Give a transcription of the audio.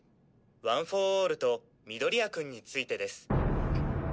ワン・フォー・オールと緑谷くんについてです。